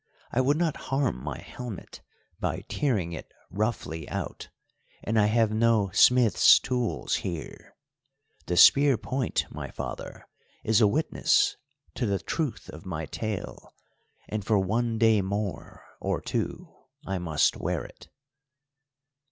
"I would not harm my helmet by tearing it roughly out, and I have no smith's tools here. The spear point, my father, is a witness to the truth of my tale, and for one day more, or two, I must wear it."